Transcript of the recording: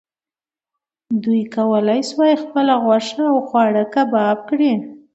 دوی وکولی شول خپله غوښه او خواړه کباب کړي.